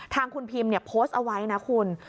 ทางคุณพิมโพสต์เอาไว้นะคุณ